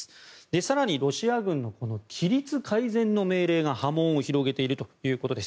更にロシア軍の規律改善の命令が波紋を広げているということです。